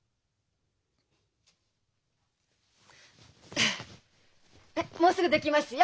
はいもうすぐできますよ！